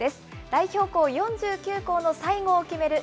代表校４９校の最後を決める